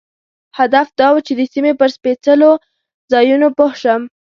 هدف دا و چې د سیمې پر سپېڅلو ځایونو پوه شم.